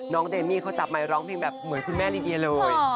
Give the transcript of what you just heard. เดมี่เขาจับไมค์ร้องเพลงแบบเหมือนคุณแม่ลิเดียเลย